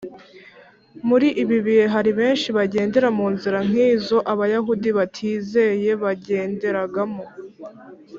muri ibi bihe hari benshi bagendera mu nzira nk’izo abayahudi batizeye bagenderagamo